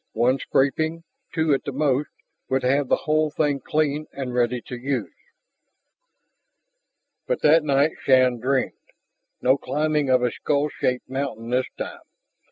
One scraping, two at the most, would have the whole thing clean and ready to use. But that night Shann dreamed. No climbing of a skull shaped mountain this time.